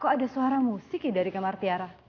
kok ada suara musik dari kamar tiara